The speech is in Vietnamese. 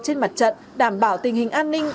trên mặt trận đảm bảo tình hình an ninh